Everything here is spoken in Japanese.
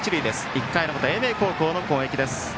１回の表、英明高校の攻撃。